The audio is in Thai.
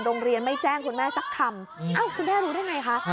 โรงเรียนไม่แจ้งคุณแม่สักคำเอ้าคุณแม่รู้ได้ไงคะ